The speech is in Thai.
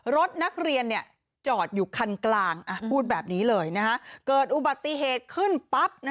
รถนักเรียนจอดอยู่คันกลางพูดแบบนี้เลยเกิดอุบัติเหตุขึ้นปั๊บ